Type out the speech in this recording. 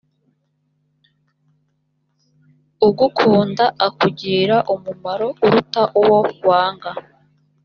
ugukunda akakugirira umumaro uruta uwo wanga